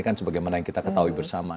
kan sebagaimana yang kita ketahui bersama